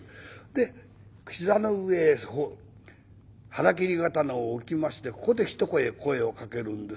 で膝の上へ腹切り刀を置きましてここで一声声をかけるんですが。